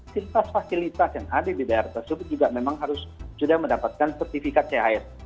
fasilitas fasilitas yang ada di daerah tersebut juga memang harus sudah mendapatkan sertifikat chs